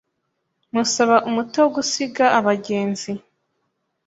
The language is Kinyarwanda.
musaba umuti wo gusiga abagenzi.